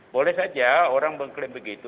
boleh saja orang mengklaim begitu